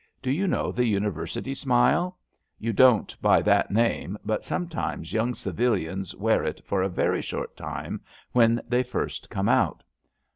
Do you know the University smile? You don't by that name, but sometimes young civilians wear it for a very short time when they first come out.